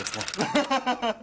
ハハハハ！